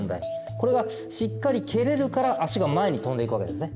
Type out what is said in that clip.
これがしっかり蹴れるから足が前にとんでいくわけですね。